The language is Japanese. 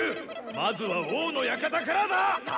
まずは王の館からだ！